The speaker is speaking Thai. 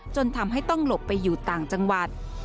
จนทำให้ต้องหลบไปอยู่ต่างจังหวัด